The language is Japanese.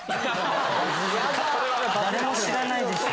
誰も知らないでしょ！